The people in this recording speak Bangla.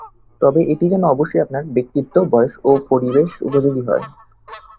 তবে এটি যেন অবশ্যই আপনার ব্যক্তিত্ব, বয়স ও পরিবেশ উপযোগী হয়।